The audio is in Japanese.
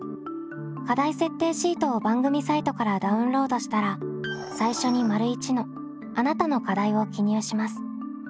課題設定シートを番組サイトからダウンロードしたら最初に①の「あなたの課題」を記入します。